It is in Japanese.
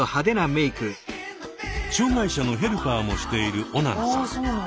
障害者のヘルパーもしているオナンさん。